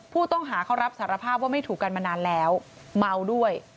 ผู้ต้องหาเขารับสารภาพว่าไม่ถูกกันมานานแล้วเมาด้วย